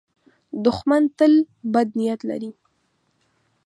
دښمن تل بد نیت لري